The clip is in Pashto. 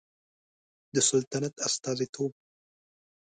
د سلطنت استازیتوب